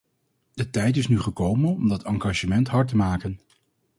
De tijd is nu gekomen om dat engagement hard te maken.